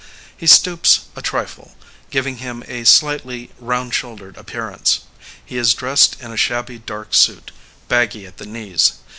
He stoops a trifle, giving him a slightly round shouldered appearance. He is dressed in a shabby dark suit, baggy at the knees.